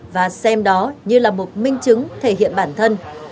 và xem đó như là một minh chứng thể hiện bản thân